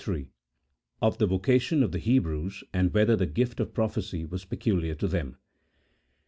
OP THE VOCATION OP THE HEBREWS, AND WHETHER THE: GIFT OF PROPHECY WAS PECULIAR TO THEM.